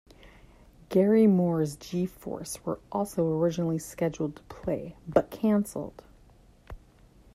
Gary Moore's G-Force were also originally scheduled to play but cancelled.